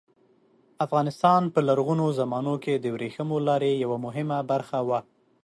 افغانستان په لرغونو زمانو کې د ورېښمو لارې یوه مهمه برخه وه.